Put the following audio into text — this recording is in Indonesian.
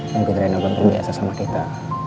mungkin reina belum terbiasa sama kita